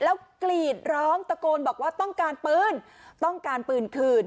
แล้วกรีดร้องตะโกนบอกว่าต้องการปืนต้องการปืนคืน